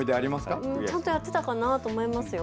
ちゃんとやってたかと思います。